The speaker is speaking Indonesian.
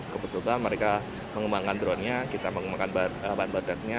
kebetulan mereka mengembangkan dronenya kita mengembangkan bahan bahan tersebut